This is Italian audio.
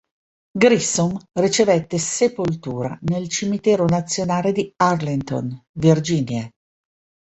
Grissom ricevette sepoltura nel Cimitero nazionale di Arlington, Virginia.